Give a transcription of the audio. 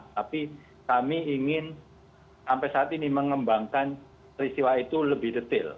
tapi kami ingin sampai saat ini mengembangkan peristiwa itu lebih detail